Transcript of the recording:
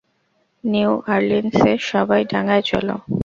New অর্লিন্সে, সবাই ডাঙায় চলো!